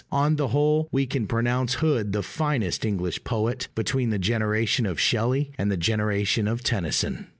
On the whole, we can pronounce Hood the finest English poet between the generation of Shelley and the generation of Tennyson.